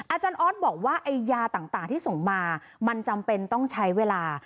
อาจารย์ออสบอกว่าไอ้ยาต่างที่ส่งมามันจำเป็นต้องใช้เวลา